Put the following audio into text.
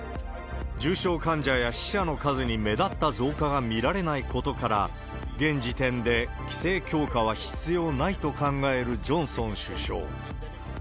重症患者や死者の数に目立った増加が見られないことから、現時点で規制強化は必要ないと考えるジョンソン首相。